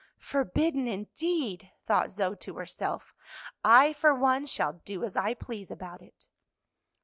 "Forbidden, indeed!" thought Zoe to herself. "I for one shall do as I please about it."